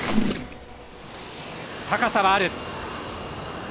高さはある。